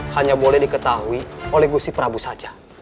hanya boleh diketahui oleh gusi prabu saja